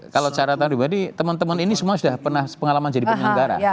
kalau cara tahan pribadi teman teman ini semua sudah pernah pengalaman jadi penyelenggara